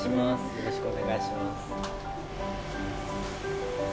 よろしくお願いします。